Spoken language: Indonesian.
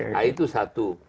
nah itu satu